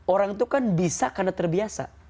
orang itu kan bisa karena terbiasa